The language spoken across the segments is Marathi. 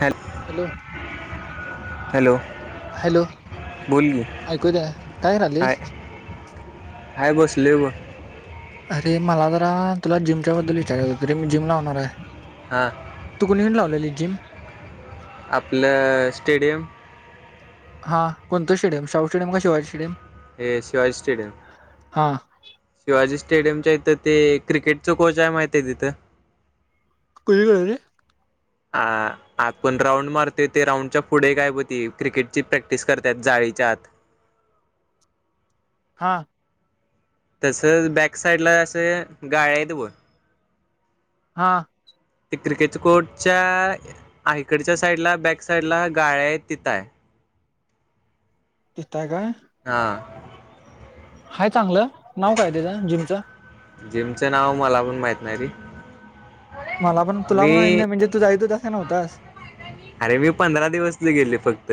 Hello hello. हॅलो हॅलो बोल की ऐकू द्या काय [inaudible] हाय हाय बसलोय बघ. अरे मला जरा तुला जिमच्या बद्दल विचारायचं होतं रे मी जिम लावणार आहे. हां तू कुणीकडं लावलेली जिम? आपलं स्टेडियम. हा कोणतं स्टेडियम? शाहू स्टेडियम का शिवाजी स्टेडयम? हे शिवाजी स्टेडियम [inaudible] शिवाजी स्टेडियमच्या इथं ते क्रिकेटच कोच आहे माहित आहे तिथं? [unintelligible] आ आपण राऊंड मारतोय ते राऊंडच्या पुढंय ब ती क्रिकेटची प्रॅक्टिस करतात जाळीच्या आत. हा. तसंच बॅक साइड ला असं गाळे आहेत बघ. हा ते क्रिकेट कोचच्या आईकडच्या साईड ला बॅक साइड ला गाळे आहेत तिथंय. तिथं हाय काय? हा. हाय चांगलं? नाव काय त्याचं जिमचंं? जिमचं नाव मला पण माहित नाही रे. मला पण तुला पण मी नाही म्हणजे तू जायत व्हतास का नव्हतास? अरे मी पंधरा दिवस गेले फक्त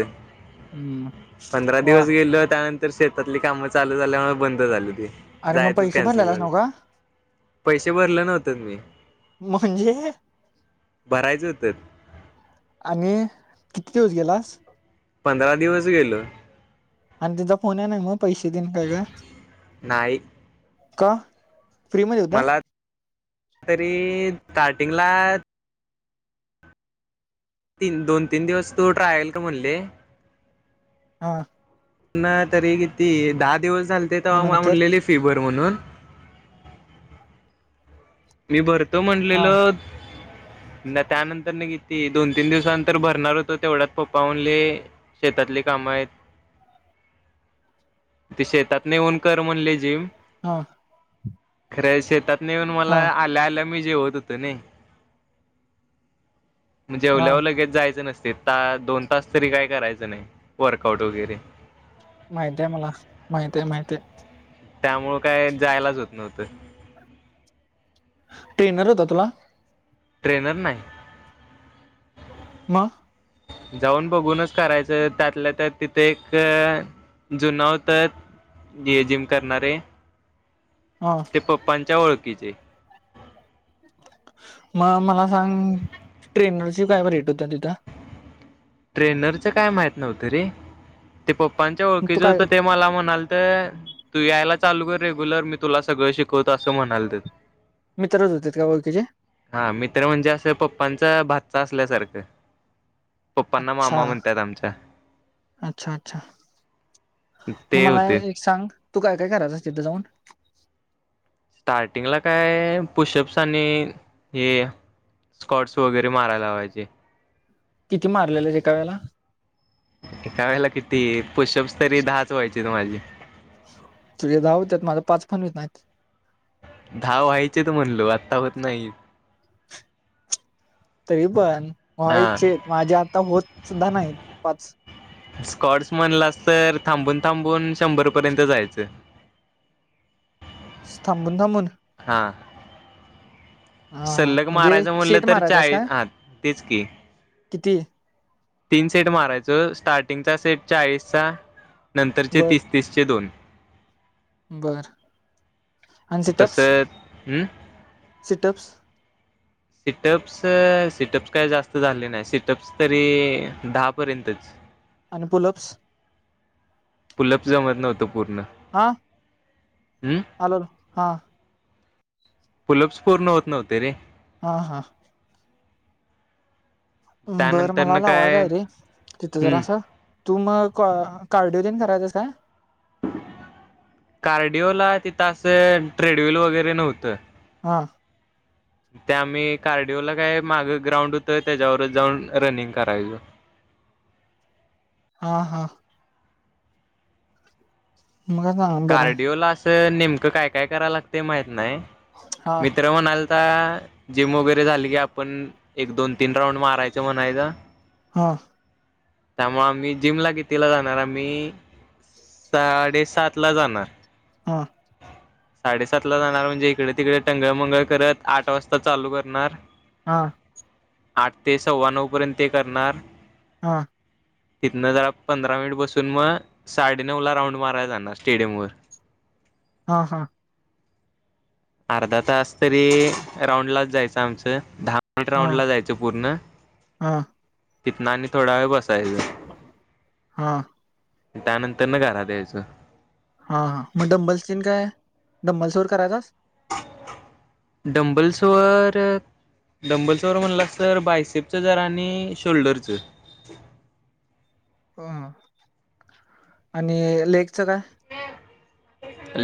हम्म पंधरा वा दिवस गेलो त्यानंत तर शेतातली काम चालू झाल्यामुळे बंद झालं ते अरे मग जायचंच पैसे कॅन्सल भरलेलास झालं. नव्ह का? पैसे भरले नव्हते मी, म्हणजे भरायचंं हो त आणि किती दिवस गेलास? पंधरा दिवस गेलो. आणि तिथ फोन आहे ना मग पैसे देन काय का नाही [inaudible] का? फ्री मध्ये होता. मला तरी स्टार्टिंगला तीन, दोन, तीन दिवस तू ट्रायल कर बोलले. हा. ना तरी किती दहा दिवस झाले मग तेव्हा मला नंतर म्हणलेली फी भर. म्हूनन [inaudible] मी भरतो हा म्हटलेलोत न त्यानंतर की ती दोन, तीन दिवसानंतरर भरणार होतो तेवढ्यात पप्पा म्हणले शेतातले काम आहेत. [unintelligible] [inaudible] ते शेतात न येऊन कर म्हणले जिम. हा. खर शेतात नेऊन मला हा आल्या आल्या मी जेवत होतो नई [inaudible] म हा जेवल्यावर लगेच जायचं नसत. ते दोन तास तरी काय करायचं नाही वर्कआउट वगैरे. माहित आहे मला. माहित आहे, माहित आहे. त्यामुळं काय जायलाच होत नव्हतं. [inaudible] ट्रेनर होता तुला? ट्रेनर नाही. [inaudible] म जाऊन बघूनच करायचं त्यातल्या तर तिथे एक जुन होतत जे जिम करणारे. हा ते पप्पांच्या ओळखीचे. मग मला सांग ट्रेनरचे काय रेट होत तिथं. ट्रेनरचं काय माहित नव्हतं रे, ते पप्पांच्या मग तू ओळखीच काय होत ते मला म्हणाल तर तू यायला चालू कर रेग्युलर मी तुला सगळं शिकवतो असं म्हणालतत. मित्रच होते का ओळखीचे [inaudible] हा मित्र म्हणजे असं पप् पा्पांचा भाचा असल्यासारखं. पप्पांना अच्छा मामा म्हणतात आमच्या. अच्छा अच्छा मग ते मला होते एक सांग तू काय काय करायचास अस तिथं जाऊन? स्टार्टिंगला काय पुशअप्स आणि हे स्कॉट्स वगैरे मारायला लावायचे. किती मारलेलं एका वेळेला. एका वेळेला किती? पुशअप्स तरी दहाच व्हायचेत बघ माझे. तुझ दहा होत्यात माझ पाच पण होत नाहीत. ब अता होत नाही. [inaudible] तरी पण हा व्हायचे माझे आता होत सुद्धा नाहीत पाच. स्कॉट्स म्हणलास तर थांबून, थांबून शंभर पर्यंत जायचं. [inaudible] असं थांबून, थाबुन. हा. [inaudible] हा हा सल्लग म्हणजे मारायचं म्हललं सेट तर मारायचास चाळीस काय ह तेच की. किती? तीन सेट मारायचो स्टार्टिंगचा सेट चाळीसचा नंतरचे बर तिस-तीसचे दोन. बर. [inaudible] अन सिटअप्स तसं हम्म [inaudible] सिटअप्स. सिटअप्स, सिटअप्स काय जास्त झाले नाही सिटअप्स तरी दहा पर्यंतच. अन पुलअप्स पुलप जमत नव्हतं. पूर्ण हा हॅलो हा पुल्लाप्स पूर्ण होत नव्हते रे हा हा बरं त्यानंतर मला न लावायच काय आहे रे तिथं जरा हम्म असं तू मग कार्डिओलन करायचस काय कार्डिओला तिथं असं ट्रेडल वगैरे नव्हतं वां त्या आम्ही कार्डिओला काय मागं ग्राउंड होतो त्याच्यावरच जाऊन रनिंग करायचो अ् [inaudible] हा हा मग सांग बरं कार्डिओला नेमकं काय काय कराय लागत माहत नाही हा मित्र म्हणाल आता जिम वगैरे झाली की आपण एक दोन तीन राऊंड मारायचं म्हणायचं हा त्यामुळे आम्ही जिमला घेेतला जाणार आम्ही साडेसात ला जाणार हा साडेसात ला जाणार म्हणजे इकडे तिकडे टंगळमंगळ करत आठ वाजता चालू करणार हा आठ ते सव्वा नऊ पर्यंत ते करणार हा तिथनं जरा पंधरा मिनिट बसून मग साडेनऊ ला राऊंड मारायला जाणार स्टेडियम वर हा हा अर्धा तास तरी राऊंड लाच जायचं आमचं द राऊंड हा ला जायचं पूर्ण हा तिथना आणि थोडा वेळ बसत हा त्यानंतर ना घरात या्यायचं हा हा मग डंबल्सन काय डंबल्स वर करायचास [inaudible] डंबलसवर डंबलसवर म्हणला अस तर बायसेपचं जरा आणि शोल्डरचं ह आणि लेग च काय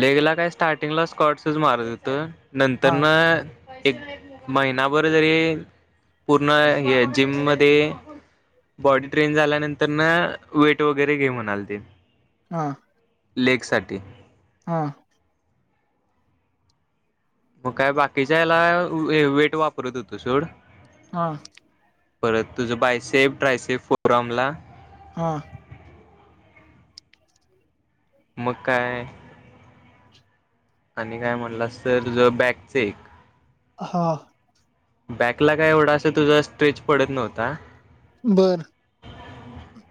लेग ला काय स्टार्टिंगला स्कॉटसच मारत जेत नंतर हा ना एक महिनाभर जरी पूर्ण हे जिममध्ये बॉडी ट्रेन झाल्यानंतर ना वेट वगैरे घे म्हनले ते हा लेग साठी हा मग काय बाकीच्या याला वेट वापरत होतो सोड हा परत तुझं बायसेफ ड्रायसेफ फुफ्रोम ला हा मग काय आणि काय म्हटलास तर ज बॅकचे एक हा बॅकला काय एवढा असं तुझा स्ट्रेच पडत नव्हता बर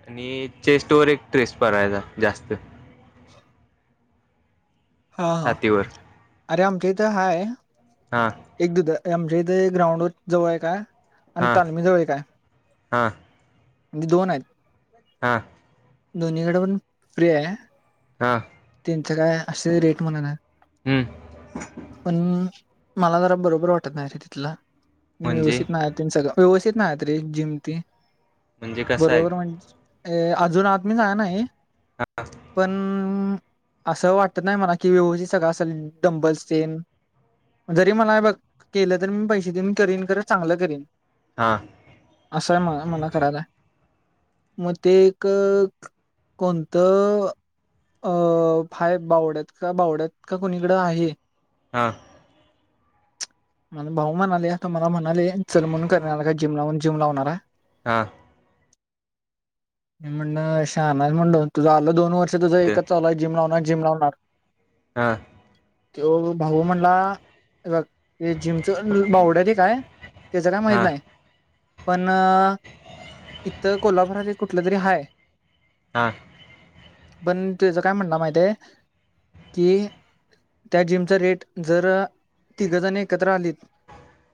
आणि चेस्ट वर एक ट्रेस बघा यचा जास्त [unintelligible] हा हा छातीवर अरे आमच्या इथं हाय हा एक दुध आमच्या इथे ग्राउंड जवळ आहे का आणि हा तालमीजवळएक काय हा म्हणजे दोन आहेत हा दोन्हीकडे पण फ्री आहे हा त्यांचं काय असे रेट म्हणनातं हं, पण मला जरा बरोबर वाटत नाही रे तिथला म्हणजे व्यवस्थित नाही सगळ तेन व्यवस्थित नाही रे जिम ती म्हणजे कसं आहे बरोबर म्हणज अ अजून आत मी जायाय नाही पण असं वाटत नाही मला कि व्यवस्थित सगळ डंबल्स तेन जरी मला बघ केलं तरी मी पैसे देऊन मी करीन खरं चांगलं मी करीन हा असंय मला मला करायच आहे मग ते एक कोणतं अ हाय बावड्यात का बावड्यात का कोुणीकडं आहे हा मला भाऊ म्हणालेय आ त मला म्हणाले चल म्हणून करणार का जिम लावून जिम लावणार हाय हा म्हण ल शहाना हायस म्हणल तुझ आला दोन वर्ष तुझं ते एकच चालला जिम ला होणार जिम लाव होणार हा तो भाऊ म्हणला ते जिमच बावड्यात एक काय त्याच काय माहित हा नाही पण इथं कोल्हापूरात कुठलं तरी हाय हा पण तुच काय म्हणणा माहितय कि त्या जिमचा रेट जर तिघजण एकत्र आलीत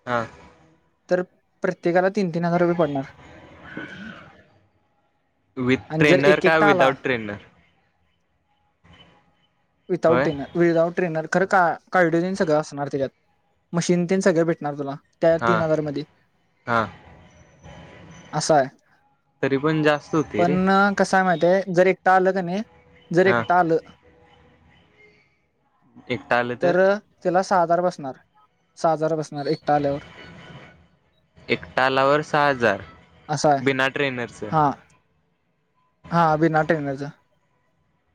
हा तर प्रत्येकाला तीन तीन हजार रुपये पडणार विथ आणि जर ट्रेनर एक का एकटा आला विदाउट ट्रेनर विधाऊट होय टेनर विदाउट ट्रेनर खरं का कार्ड तेन सगळं असणार त्याच्यात मशीन ते सगळं भेटणार तुला त्या हां तीन हजार मध्ये हां असाय तरी पण जास्त होते रे पण कसय माहितीय जर एकटा आलं कने जर हां एकटा आलं एकटा आलं तर सहा ह जार बसणार सहा हजार बसणार एकटा आल्यावर एकटा आल्यावर सहा हजार असं आहे बिना ट्रेनरच हा हा अभी नाटक नाहीचा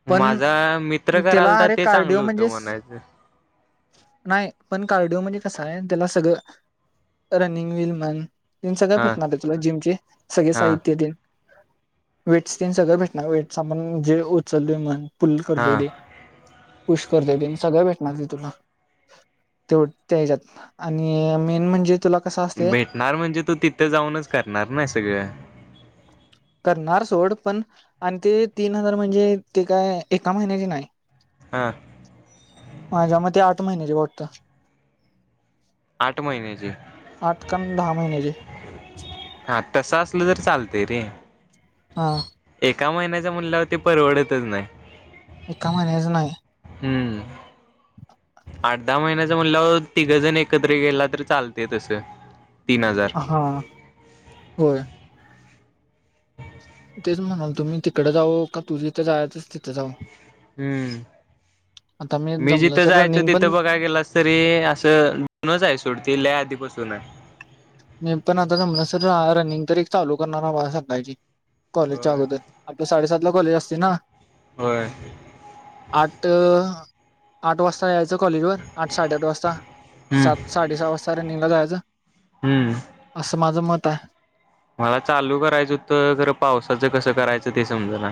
पण माझा मित्र त्याला करालता अरे ते कार्डिओ चांगलं होतं म्हणजेस म्हणायचं नाही पण कार्डिओ म्हणजे कस आहे त्याला सगळं रनिंग विल म्हण येल सगळं हां भेटणार आहे तुला जिमचे सगळे हां साहित्य येतील वेटसन सगळं भेटणार वेट सामण जे उचलले मन फुल करतय ते हां पुुश करतय दे सगळ भेटणार ते तुला तेव त्या ह्याज्यात आणि मेन म्हणजे तुला कसं असते भेटणार म्हणजे तू तिथं जाऊनच करणार ना सगळं करणार सोड पण आणि ते तीन हजार म्हणजे ते काय एका महिन्याचे नाही हां माझ्या मते आठ महिन्याचे वाटत आठ महिन्याची आठ का दहा महिन्याचे हा तसाच तसलं तर चालतं रे हा का महिन्याच्या मुलिलावरती परवडतच नाही एका महिनच नाही हम्म. आठ-दहा महिन्याच म्हणल्यावर तिघं जण एकत्र गेला तरी चालतंय तसं तीन हजार हा होय. तेच म्हणालतो मी तिकडं जाऊ का तू जिथं जायचं स तिथं जाऊ हम्म. आता मी जमलं जिथं सर जायचो रनिंग तिथं पण बगाय गेलास तरी असं दनच हाय सोड लइ आधीपासनं दुला मी पण आता जमलासर रनिंग तरी एक चालू करणार आबा सकाळची कॉलेजच्या अगोदर. आपलं साडेसात ला कॉलेज असते ना? होय. आठ. आठ वाजता या चल कॉलेज वय, आठ-साडे-आठ वाजता हम्म सात-साडे सहा वाजता रनिंगला जायाचं हम्म असं माझ मत हाय मला चालू करायचं हुतं, खरं पावसाचं कसं करायचं ते समजना.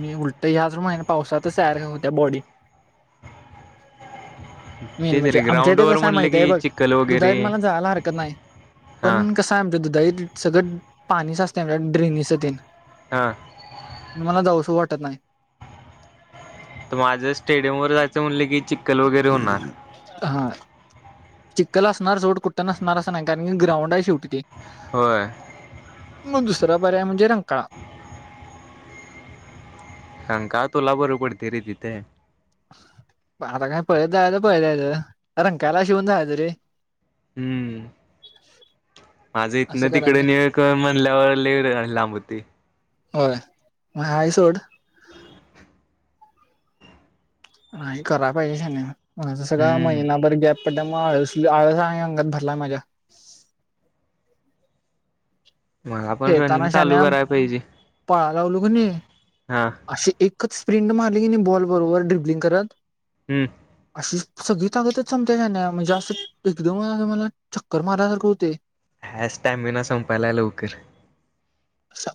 मी उलटं ह्याच महिने पावसातच ऍड होत्या बॉडी मेन तेच म्हणजे रे आमच्या ग्राउंड इथं वर कसाय म्हणलं माहितीय की अबघ चिखल वगैरे दुधााल्यात मला जायला हरकत नाही. हा पण कसं हाय आमच्या दुधालीत सगळं पाणी साचतंय ड्रेनेज चं तेन. हा. मला जाऊ सं वाटत नाही. त माझं स्टेडियम वर जायचं म्हणलं की चिक्कल वगैरे होणार. हा चिक्कल असणार सोड कुट्ट नसणार असं नाही कारण की ग्राउंड हाय शेवटी ते. होय. दुसरा पर्याय म्हणजे रंकाळा. रंकाळा तूला बरं पडतं रे तिथं बाल काय पळत जायाचं पळत याचं. रंकाळ्याला शिवून जायचं रे. हम्म. माझं असं इथनं तिकडं करायचं ने कर म्हणल्यावर लइ ग लांब होतय. होय म हाय सोड नाही करा पाहिजे शान्या माझं सगळा हम्म महिनाभर गॅप पड्या मुळं आळस आणि अंगात भरलाय माझ्या मला पण रनिंग चालू करायला पाहिजे लावलो कने हा अशी एकच स्प्रिंट मारली की नाही बॉल बरोबर ड्रिबलिंग करत ह. सगळी ताकदच संपत्या शाण्या म्हणजे असं एकदम मला अ चक्कर मारल्यासारखं हुतंय हे स्टॅमिना संपायलाय लवकर.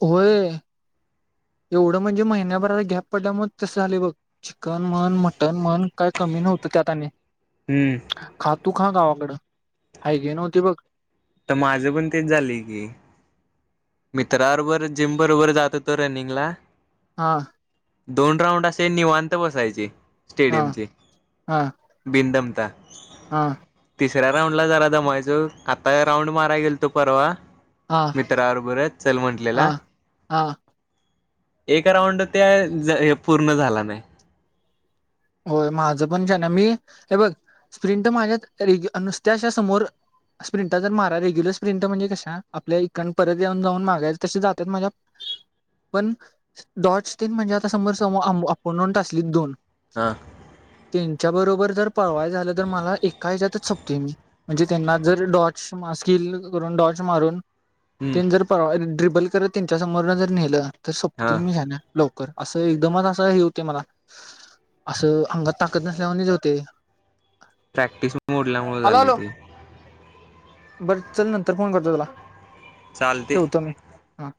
होय. एवढं म्हणजे महिन्याभराला गॅप पडल्या मुळं तसं झाले बघ. चिकन म्हण, मटन म्हण काय कमी नव्हतं त्यात आणि हम्म खातू खा गावाकडं. हाय गय नव्हती बघ. त माझं पण तेच झालंय की मित्राबरबर जिम बरोबर जात हुतो रनिंगला हा. दोन राऊंड असे निवांत बसायचे हा स्टेडियमचे. हा बिंदम हा. तिसऱ्या राऊंडला जरा दमायचो. आता राऊंड माराय गेलतो परवा हा मित्राव चल म्हंटलेला हा हा एक राऊंड त्या ज पूर्ण झाला नाही होय माझं पण शान्या. मी हे बघ स्प्रिंट माझ्या रेगू नुसत्या अश्या समोर स्प्रिंटा जर मारा रेग्युलर स्प्रिंट म्हणजे कशा आपल्या इकान परत येऊन जाऊन मागायच तसे जातात माझ्या पण डॉटस तीन म्हणजे आता समोर स अपुंनन्ट असली दोन हा. त्यांच्या बरोबर जर पळवाय झालं तर मला एका हच्यातच सोपतेय मी म्हणजे त्यांना जर डॉच मा स्किल करून डॉच मारून. हम्म ते जर पळवा ड्रिबल करत त्यांच्या समोर जर नेलं तर तर हा सबतूय मी ह्याच्यात. लवकर असं एकदमच असं हे होते मला. असं अंगात ताकत नसल्यावाणी होतेय. प्रॅक्टिस मोडल्यामुळे झाली ते. बरं चल नंतर फोन करतो तुला. चालते. ठेवतो मी हा.